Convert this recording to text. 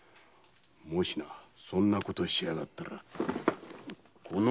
もしもそんなことしやがったらこの俺がな。